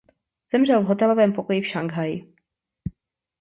Zemřel v hotelovém pokoji v Šanghaji.